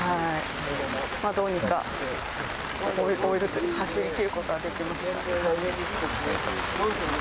どうにか走りきることができました。